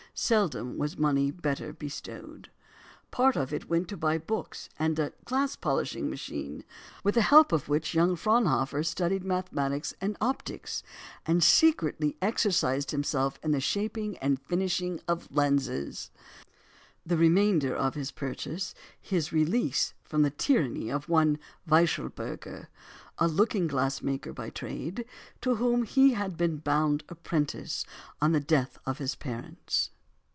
Seldom was money better bestowed. Part of it went to buy books and a glass polishing machine, with the help of which young Fraunhofer studied mathematics and optics, and secretly exercised himself in the shaping and finishing of lenses; the remainder purchased his release from the tyranny of one Weichselberger, a looking glass maker by trade, to whom he had been bound apprentice on the death of his parents.